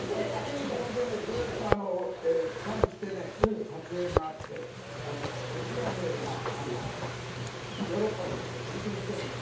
それでねずっと俯瞰してね撮影があってそのロシア兵がヨーロッパのほうと戦争してんのよ。